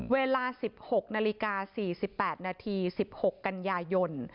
เวลา๑๖นาฬิกา๔๘นาที๑๖กันยายน